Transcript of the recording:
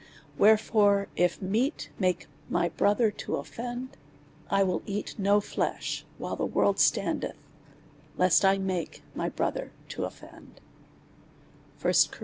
Wherefore, if meat make my brother to offend, I will eat no flesh while the world standeth, lest I make my brother to offend, 1 Cor.